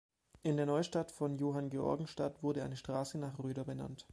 In der Neustadt von Johanngeorgenstadt wurde eine Straße nach Röder benannt.